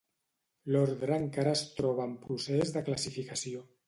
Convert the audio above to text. L'ordre encara es troba en procés de classificació.